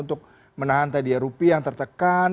untuk menahan rupiah yang tertekan